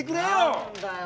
何だよ